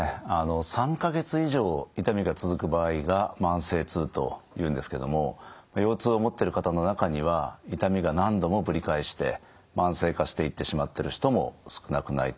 ３か月以上痛みが続く場合が慢性痛というんですけども腰痛を持ってる方の中には痛みが何度もぶり返して慢性化していってしまってる人も少なくないと思います。